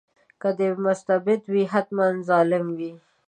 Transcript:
که دی مستبد وي حتماً ظالم وي.